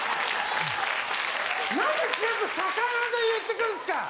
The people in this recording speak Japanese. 何で全部魚で言ってくるんすか！